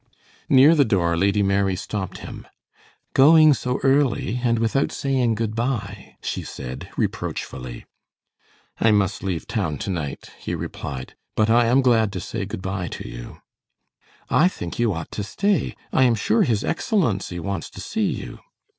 Near the door Lady Mary stopped him. "Going so early, and without saying good by?" she said, reproachfully. "I must leave town to night," he replied, "but I am glad to say good by to you." "I think you ought to stay. I am sure His Excellency wants to see you."